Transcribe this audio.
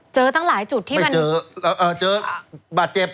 เจอตั้งหลายจุดที่มันไม่เจอเอ่อเอ่อเจอบาดเจ็บ